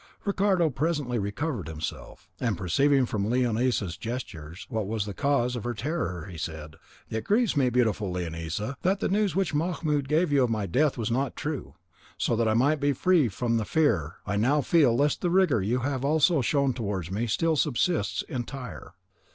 Ricardo presently recovered himself, and perceiving from Leonisa's gestures what was the cause of her terror, he said, "It grieves me, beautiful Leonisa, that the news which Mahmoud gave you of my death was not true, so that I might be free from the fear I now feel lest the rigour you have also shown towards me still subsists entire.